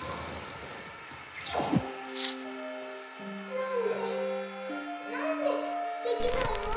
なんでなんでできないの？